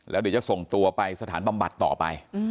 แล้วเดี๋ยวจะส่งตัวไปสถานบำบัดต่อไป